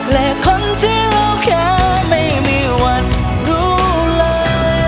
และคนที่เราแค่ไม่มีวันรู้เลย